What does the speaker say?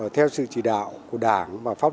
theo sự chỉ đảm